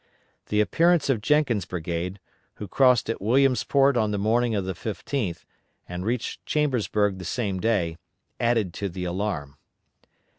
The appearance of Jenkins' brigade, who crossed at Williamsport on the morning of the 15th and reached Chambersburg the same day, added to the alarm.